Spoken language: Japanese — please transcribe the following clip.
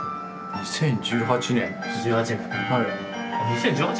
２０１８年？